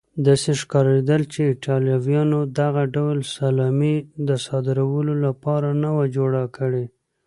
داسې ښکارېدل چې ایټالویانو دغه ډول سلامي د صادرولو لپاره نه وه جوړه کړې.